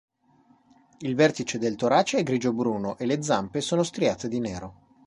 Il vertice del torace è grigio-bruno e le zampe sono striate di nero.